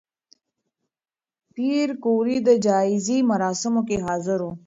پېیر کوري د جایزې مراسمو کې حاضر و.